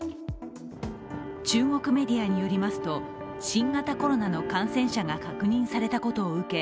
中国メディアによりますと、新型コロナの感染者が確認されたことを受け